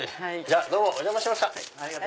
どうもお邪魔しました。